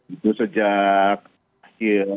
itu sejak akhir tahun